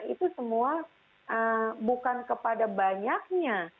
itu semua bukan kepada banyaknya